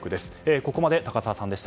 ここまで高沢さんでした。